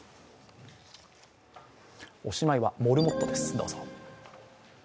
おしまいは、モルモットです。